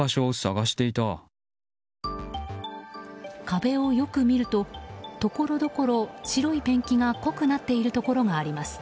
壁をよく見ると、ところどころ白いペンキが濃くなっているところがあります。